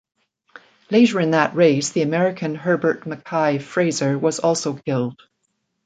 Later in that race the American Herbert MacKay-Fraser was also killed.